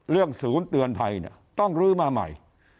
ศูนย์เตือนภัยต้องลื้อมาใหม่